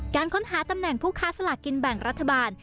การค้นหาตำแหน่งผู้ค้าสลากกินแบ่งรัฐบาล